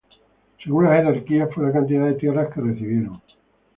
Según la jerarquía, fue la cantidad de tierras que recibieron.